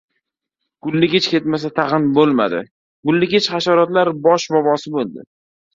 Gulligich ketmasa tag‘in bo‘lmadi — gulligich hasharotlar bosh bobosi bo‘ldi.